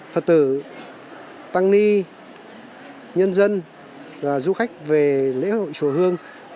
phật tử tăng ni nhân dân và du khách về lễ hội chùa hương